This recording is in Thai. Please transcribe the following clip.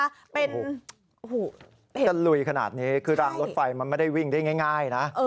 โอ้โหจะลุยขนาดนี้คือรางรถไฟมันไม่ได้วิ่งได้ง่ายนะ